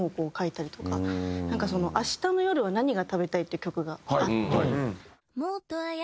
『明日の夜は何が食べたい？』っていう曲があって。